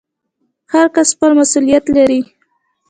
هر کس خپل مسوولیت لري